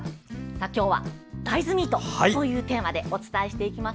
今日は大豆ミートというテーマでお伝えしていきます。